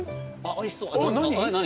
おいしそう何？